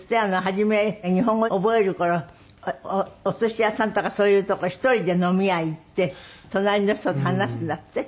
初め日本語覚える頃お寿司屋さんとかそういう所１人で飲み屋行って隣の人と話すんだって？